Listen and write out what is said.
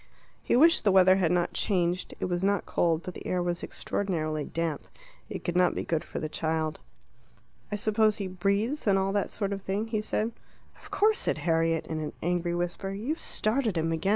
He wished the weather had not changed; it was not cold, but the air was extraordinarily damp. It could not be good for the child. "I suppose he breathes, and all that sort of thing?" he said. "Of course," said Harriet, in an angry whisper. "You've started him again.